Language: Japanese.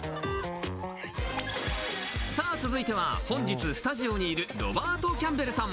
続いては本日、スタジオにいるロバート・キャンベルさん。